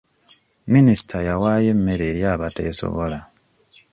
Minisita yawaayo emmere eri abateesobola.